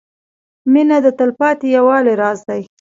• مینه د تلپاتې یووالي راز دی.